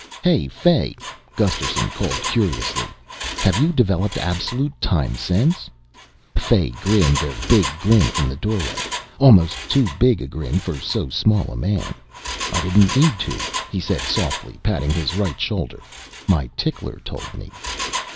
"Hey, Fay," Gusterson called curiously, "have you developed absolute time sense?" Fay grinned a big grin from the doorway almost too big a grin for so small a man. "I didn't need to," he said softly, patting his right shoulder. "My tickler told me."